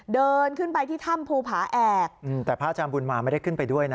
เดินขึ้นไปที่ถ้ำภูผาแอกแต่พระอาจารย์บุญมาไม่ได้ขึ้นไปด้วยนะ